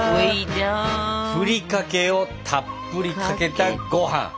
ふりかけをたっぷりかけたご飯！